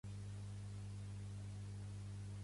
Sovint amb corms brotant sobre dels que ja hi són madurs.